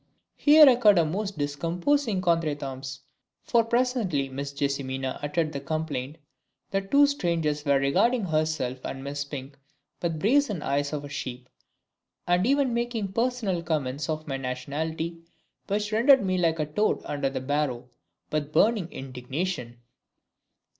Here occurred a most discomposing contretemps, for presently Miss JESSIMINA uttered the complaint that two strangers were regarding herself and Miss SPINK with the brazen eyes of a sheep, and even making personal comments on my nationality, which rendered me like toad under a harrow with burning indignation.